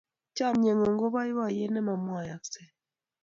Chamnyengung ko boiboiyet ne mamwaaksei